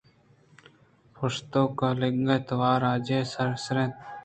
پشت ءَ کُلگ ءِتوار ءَ آ جہہ سرّ ینت